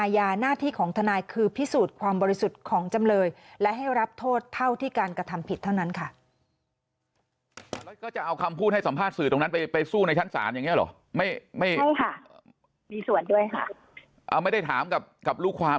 แต่ว่าหลักก็คือจะต้องให้เขาได้รับโทษเชียงเท่าที่เขาได้ประธรรม